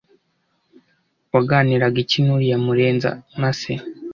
waganiraga iki nuriya murenza mase?"